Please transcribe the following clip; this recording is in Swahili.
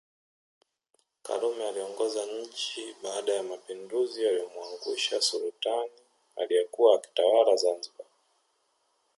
Karume aliongoza nchi baada ya mapinduzi yaliyomwangusha Sultani aliyekuwa akitawala Zanzibar